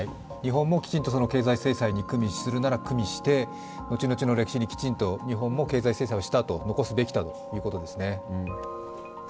日本もきちんと経済制裁にくみするならくみして、後々の歴史にきちんと、日本も経済制裁をしたと残すべきだということですね。